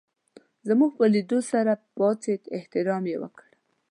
زموږ په لېدو سره پاڅېد احترام یې وکړ.